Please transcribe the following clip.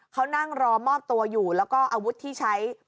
เขานั่งรอมอบตัวอยู่แล้วก็อาวุธที่ใช้